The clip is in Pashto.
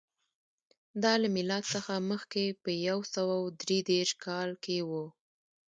دا له میلاد څخه مخکې په یو سوه درې دېرش کال کې و